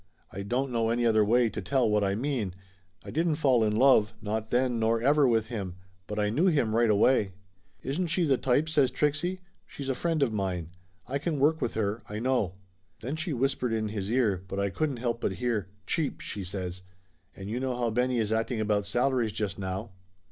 I don't know any other way to tell what I mean. I didn't fall in love, not then nor ever, with him. But I knew him right away. "Isn't she the type ?" says Trixie. "She's a friend of mine. I can work with her, I know." Then she whis pered in his ear, but I couldn't help but hear. "Cheap !" she says. "And you know how Benny is acting about salaries just now